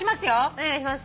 お願いします。